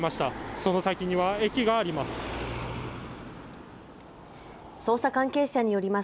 その先には駅があります。